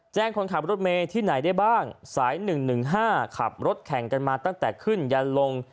คนขับรถเมย์ที่ไหนได้บ้างสาย๑๑๕ขับรถแข่งกันมาตั้งแต่ขึ้นยันลง